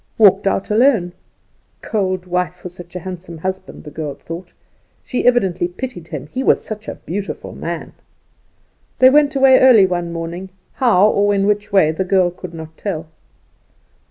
Walked out alone. Cold wife for such a handsome husband, the girl thought; she evidently pitied him, he was such a beautiful man. They went away early one morning, how, or in which way, the girl could not tell.